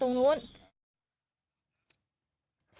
ทางที่สุดทางตรงนู้น